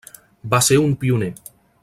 Va ser un pioner.